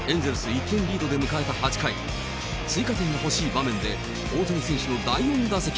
１点リードで迎えた８回、追加点が欲しい場面で、大谷選手の第４打席。